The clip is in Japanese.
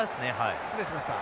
失礼しました。